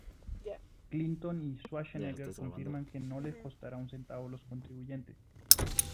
Clinton y Schwarzenegger afirman que "no le costará un centavo a los contribuyentes.